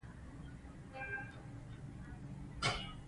که زه فشار کم کړم، مزاج به ښه شي.